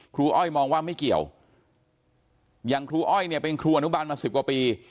อ้อยมองว่าไม่เกี่ยวอย่างครูอ้อยเนี่ยเป็นครูอนุบาลมาสิบกว่าปี